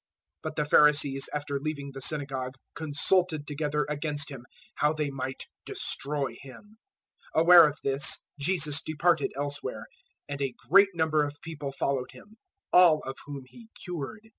012:014 But the Pharisees after leaving the synagogue consulted together against Him, how they might destroy Him. 012:015 Aware of this, Jesus departed elsewhere; and a great number of people followed Him, all of whom He cured.